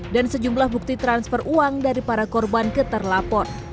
dan sejumlah bukti transfer uang dari para korban keterlapor